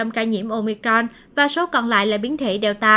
đối với các ca nhiễm omicron và số còn lại là biến thể